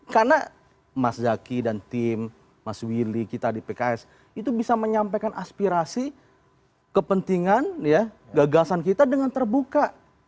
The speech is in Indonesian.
karena mas zaky dan tim mas willy kita di pks itu bisa menyampaikan aspirasi kepentingan gagasan kita dengan terbuka